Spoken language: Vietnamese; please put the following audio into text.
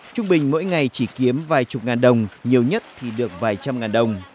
trung bình mỗi ngày chỉ kiếm vài chục ngàn đồng nhiều nhất thì được vài trăm ngàn đồng